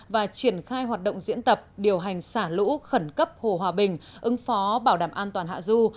và triển khai hoạt động diễn tập điều hành xả lũ khẩn cấp hồ hòa bình ứng phó bảo đảm an toàn hạ du